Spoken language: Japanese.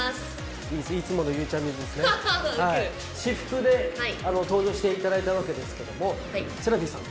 私服で登場して頂いたわけですけどもせらぴーさん。